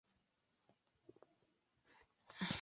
La canción es tomado de su primer disco, "Bad But Good".